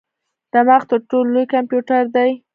دماغ تر ټولو لوی کمپیوټر دی.